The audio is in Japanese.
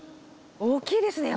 大きいですね